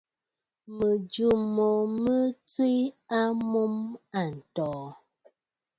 Mɨ̀jɨ̂ mo mɨ tswe a mûm àntɔ̀ɔ̀.